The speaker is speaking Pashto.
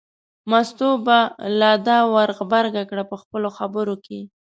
مستو به لا دا ور غبرګه کړه په خپلو خبرو کې.